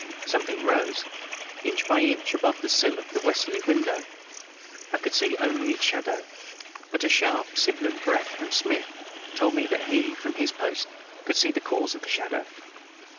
Something rose, inch by inch, above the sill of the westerly window. I could see only its shadow, but a sharp, sibilant breath from Smith told me that he, from his post, could see the cause of the shadow.